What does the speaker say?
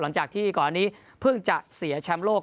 หลังจากที่ก่อนอันนี้เพิ่งจะเสียแชมป์โลก